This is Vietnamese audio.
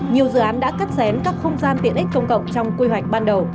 nhiều dự án đã cắt xén các không gian tiện ích công cộng trong quy hoạch ban đầu